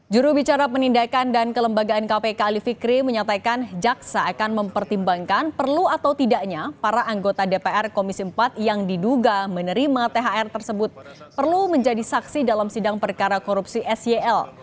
jurubicara penindakan dan kelembagaan kpk ali fikri menyatakan jaksa akan mempertimbangkan perlu atau tidaknya para anggota dpr komisi empat yang diduga menerima thr tersebut perlu menjadi saksi dalam sidang perkara korupsi sel